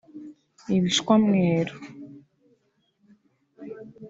ibishwamweru